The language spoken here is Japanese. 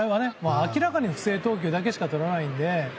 明らかに不正投球だけしかとらないので。